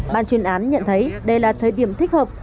ban chuyên án nhận thấy đây là thời điểm thích hợp